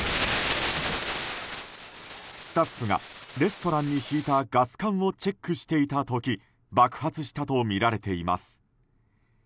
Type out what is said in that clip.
スタッフがレストランに引いたガス管をチェックしていた時爆発したとみられています。